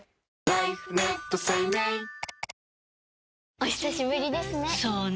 お久しぶりですね。